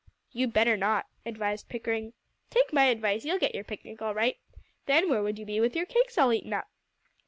"You better not," advised Pickering. "Take my advice; you'll get your picnic all right; then where would you be with your cakes all eaten up?"